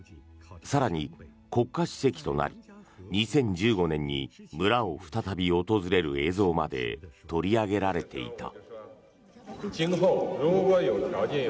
更に、国家主席となり２０１５年に村を再び訪れる映像まで取り上げられていた。